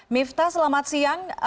mifta selamat siang